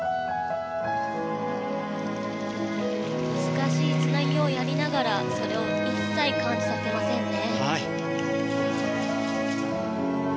難しいつなぎをやりながらそれを一切感じさせませんね。